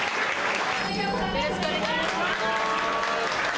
よろしくお願いします。